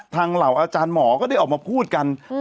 เหล่าอาจารย์หมอก็ได้ออกมาพูดกัน